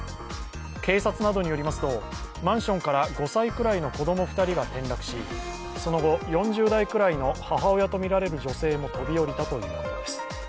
警察などによりますとマンションから５歳くらいの子供２人が転落しその後、４０代くらいの母親とみられる女性も飛び降りたということです。